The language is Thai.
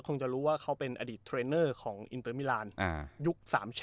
ก็จะรู้ว่าเขาเป็นอดีตเทรนนตรงไลน์ของอินเตอร์มิรานส์